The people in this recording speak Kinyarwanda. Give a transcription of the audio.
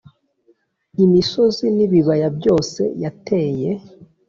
imisozi n'ibibaya byose yateye